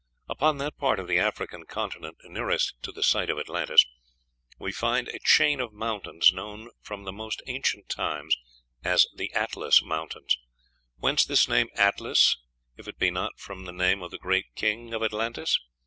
Upon that part of the African continent nearest to the site of Atlantis we find a chain of mountains, known from the most ancient times as the Atlas Mountains. Whence this name Atlas, if it be not from the name of the great king of Atlantis?